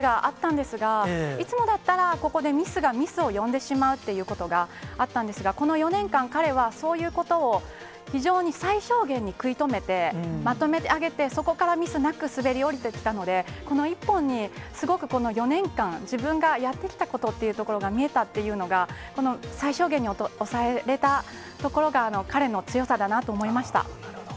ちょっと着地したあとのターンが、ミスがあったんですが、いつもだったら、ここでミスがミスを呼んでしまうっていうことがあったんですが、この４年間、彼はそういうことを非常に最小限に食い止めて、まとめ上げて、そこからミスなく滑り降りていったので、この一本にすごく、この４年間、自分がやってきたことっていうところが見えたというのが、最小限に抑えれたところが彼の強さだなと思いました。